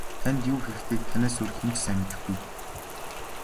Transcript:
Танд юу хэрэгтэйг танаас өөр хэн ч сайн мэдэхгүй.